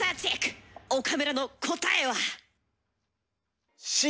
岡村の答えは？